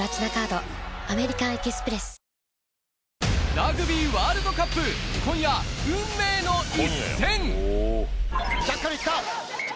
ラグビーワールドカップ、今夜、運命の一戦。